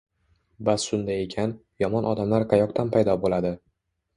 Bas shunday ekan, yomon odamlar qayoqdan paydo bo’ladi?